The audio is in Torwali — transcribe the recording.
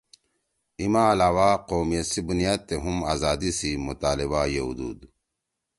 اِی ما علاوہ قومیت سی بنیاد تے ہُم آزادی سی مطالبہ یؤدُود